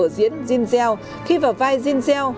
jean shell khi vào vai jean shell